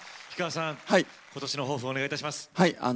氷川さん、ことしの抱負お願いいたします。